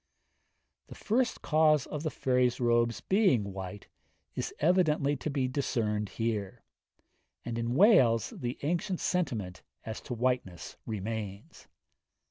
The first cause of the fairies' robes being white is evidently to be discerned here; and in Wales the ancient sentiment as to whiteness remains.